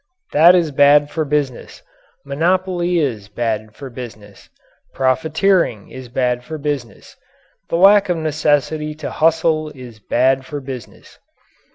That is bad for business. Monopoly is bad for business. Profiteering is bad for business. The lack of necessity to hustle is bad for business.